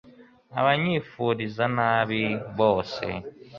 abanyifuriza nabi bose